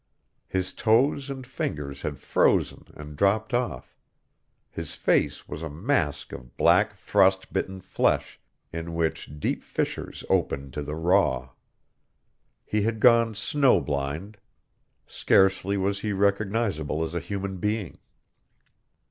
His toes and fingers had frozen and dropped off; his face was a mask of black frost bitten flesh, in which deep fissures opened to the raw. He had gone snow blind. Scarcely was he recognizable as a human being.